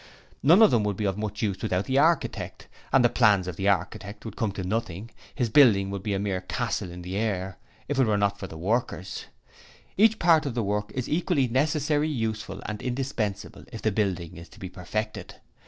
None of them would be of much use without the architect, and the plans of the architect would come to nothing, his building would be a mere castle in the air, if it were not for the other workers. Each part of the work is equally necessary, useful and indispensable if the building is to be perfected.